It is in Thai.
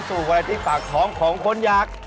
สวัสดีครับสวัสดีครับ